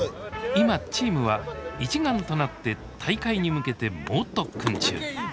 今チームは一丸となって大会に向けて猛特訓中。